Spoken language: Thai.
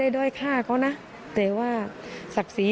คุณพ่อครับสารงานต่อของคุณพ่อครับ